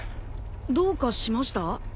どうかしました？